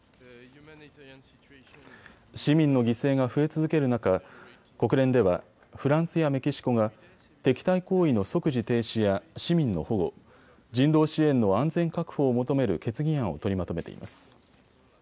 市民の犠牲が増え続ける中、国連ではフランスやメキシコが敵対行為の即時停止や市民の保護、人道支援の安全確保を求める決議案を取りまとめています。